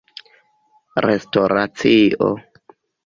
restoracio